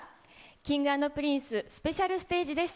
Ｋｉｎｇ＆Ｐｒｉｎｃｅスペシャルステージです。